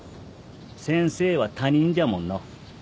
先生は他人じゃもんの。